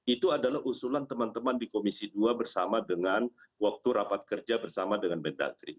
itu adalah usulan teman teman di komisi dua bersama dengan waktu rapat kerja bersama dengan mendagri